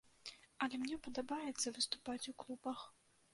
Але мне падабаецца выступаць у клубах.